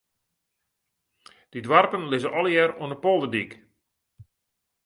Dy doarpen lizze allegear oan de polderdyk.